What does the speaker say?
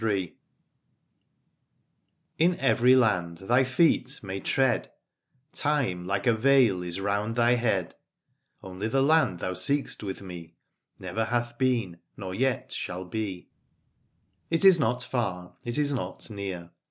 .360 In every land thy feet may tread Time like a veil is round thy head : Only the land thou seekst auith me Never hath been nor yet shall he» It is not far ^ it is not near.